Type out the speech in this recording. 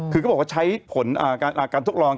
คือเขาบอกว่าใช้ผลการทดลอง